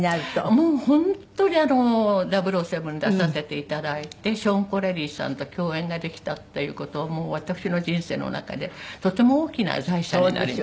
もう本当に『００７』出させていただいてショーン・コネリーさんと共演ができたっていう事はもう私の人生の中でとても大きな財産になりました。